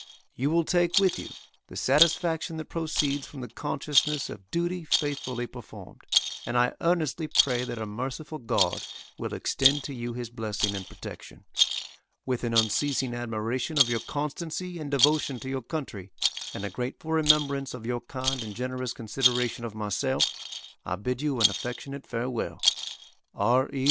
You will take with you the satisfaction that proceeds from the consciousness of duty faithfully performed; and I earnestly pray that a merciful God will extend to you His blessing and protection. With an unceasing admiration of your constancy and devotion to your country, and a grateful remembrance of your kind and generous consideration of myself, I bid you an affectionate farewell. R. E.